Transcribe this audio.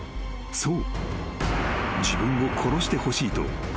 ［そう］